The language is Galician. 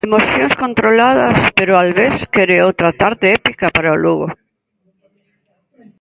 Emocións controladas, pero Albés quere outra tarde épica para o Lugo.